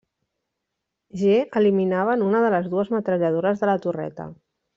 G, eliminaven una de les dues metralladores de la torreta.